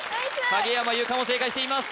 影山優佳も正解しています